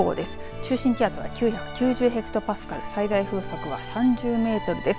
中心気圧は９９０ヘクトパスカル最大風速は３０メートルです。